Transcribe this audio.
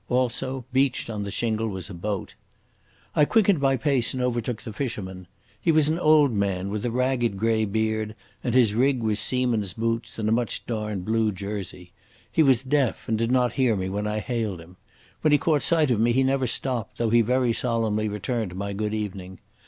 Also, beached on the shingle was a boat. I quickened my pace and overtook the fisherman. He was an old man with a ragged grey beard, and his rig was seaman's boots and a much darned blue jersey. He was deaf, and did not hear me when I hailed him. When he caught sight of me he never stopped, though he very solemnly returned my good evening.